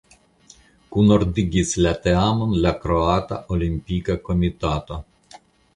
Kunordigis la teamon la Kroata Olimpika Komitato.